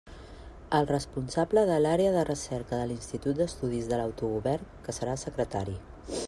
El responsable de l'Àrea de Recerca de l'Institut d'Estudis de l'Autogovern, que serà el secretari.